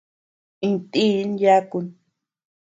Intin yakun.